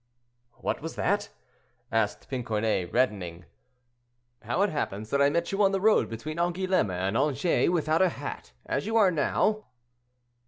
"What was that?" asked Pincornay, reddening. "How it happens that I met you on the road between Angoulême and Angers without a hat, as you are now?"